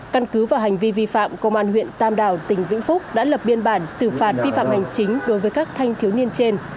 căn cứ vào hành vi vi phạm công an huyện tam đảo tỉnh vĩnh phúc đã lập biên bản xử phạt vi phạm hành chính đối với các thanh thiếu niên trên